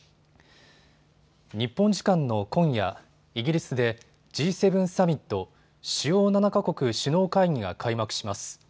日本時間の今夜、イギリスでＧ７サミット・主要７か国首脳会議が開幕します。